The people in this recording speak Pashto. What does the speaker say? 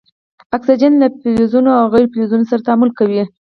اکسیجن له فلزونو او غیر فلزونو سره تعامل کوي.